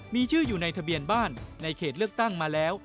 มีชื่ออยู่ในทะเบียนบ้านในเขตเลือกตั้งมาแล้ว